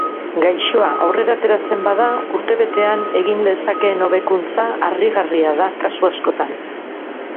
Gaixoa aurrera ateratzen bada, urtebetean egin lezakeen hobekuntza harrigarria da kasu askotan.